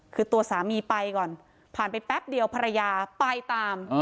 คือตัวสามีไปก่อนผ่านไปแป๊บเดียวภรรยาไปตาม